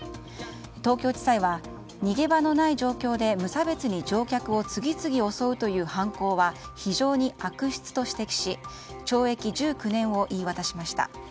東京地裁は、逃げ場のない状況で無差別に乗客を次々襲うという犯行は非常に悪質と指摘し懲役１９年を言い渡しました。